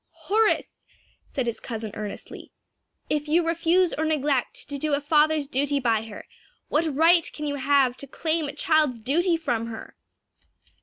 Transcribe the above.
"Horace," said his cousin earnestly, "if you refuse or neglect to do a father's duty by her, what right can you have to claim a child's duty from her?"